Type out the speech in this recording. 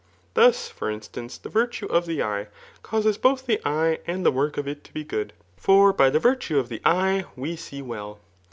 Thus, for instance, the ^^rtue of the eye, causes both the eye dnd the work of k iB^ be good ; for by the virtue of the eye we see well.